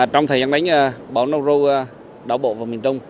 trong thời gian đánh bão ru đảo bộ vào miền trung